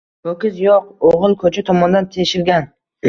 Ho‘kiz yo‘q, og‘il ko‘cha tomondan teshilgan